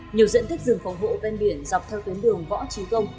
nhiều diện tích rừng phòng hộ bên biển dọc theo tuyến đường võ trí tông